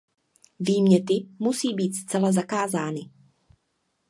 Výměty musí být zcela zakázány.